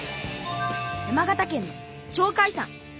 山形県の鳥海山。